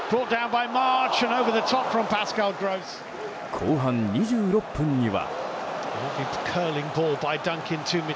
後半２６分には。